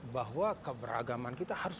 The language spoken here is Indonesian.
bahwa keberagaman kita harus